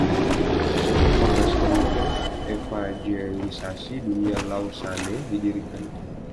Setelah kongres, Komite Evangelisasi Dunia Lausanne didirikan.